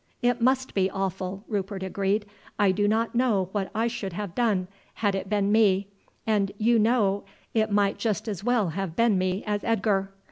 "It must be awful," Rupert agreed. "I do not know what I should have done had it been me, and you know it might just as well have been me as Edgar.